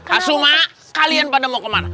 asuma kalian pada mau ke mana